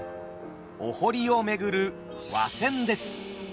お堀を巡る和船です。